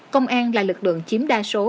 công an là lực lượng chiếm đa số